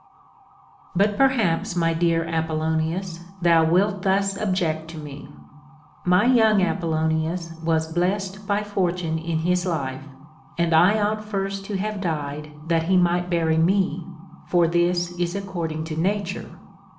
But perhaps, my dear Apollonius, thou wilt thus object to me : My young Apollonius was blessed by fortune in his life, and I ought first to have died that he might bury me ; for this is according to nature.